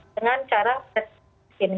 dengan cara proses penyelesaian